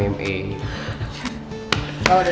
selamat ya boy